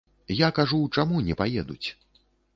Я кажу, чаму не паедуць?